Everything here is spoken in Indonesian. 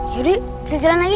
yaudah kita jalan lagi